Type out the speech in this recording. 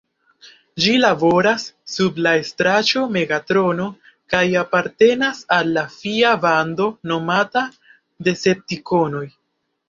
Ĝi laboras sub la estraĉo Megatrono kaj apartenas al la fia bando nomata Deceptikonoj.